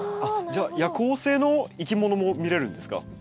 じゃあ夜行性のいきものも見れるんですか？